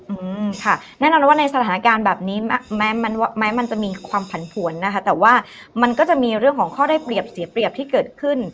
อืมค่ะแน่นอนว่าในสถานการณ์แบบนี้แม้มันแม้มันจะมีความผันผวนนะคะแต่ว่ามันก็จะมีเรื่องของข้อได้เปรียบเสียเปรียบที่เกิดขึ้น